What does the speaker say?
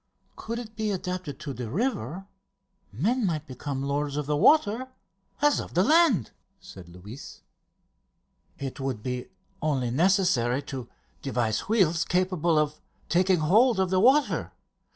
"Could it be adapted to the river men might become lords of the water as of the land," said Luis. "It would be only necessary to devise wheels capable of taking hold of the water.